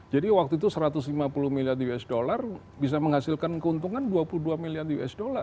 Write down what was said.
jadi waktu itu satu ratus lima puluh miliar usd bisa menghasilkan keuntungan dua puluh dua miliar usd